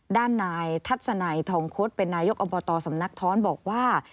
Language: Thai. ด้านนายทัศนัยทองคดเป็นนายกอบตสำนักท้อนบอกว่า